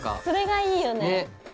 それがいいよね。